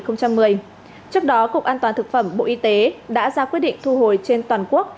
trước đó cục an toàn thực phẩm bộ y tế đã ra quyết định thu hồi trên toàn quốc